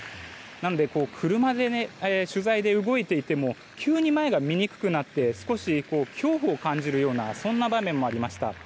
なので、車で取材で動いていても急に前が見にくくなって少し恐怖を感じるようなそんな場面もありました。